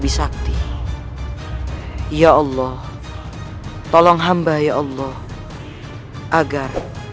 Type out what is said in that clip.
masuklah ke dalam